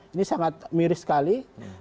ini sangat miris sekali